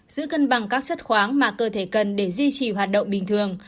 giữ cân bằng các chất khoáng mà cơ thể cần để duy trì hoạt động bình thường